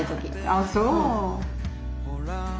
ああそう。